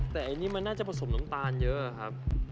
แต่อันนี้มันน่าจะผสมน้ำตาลเยอะครับ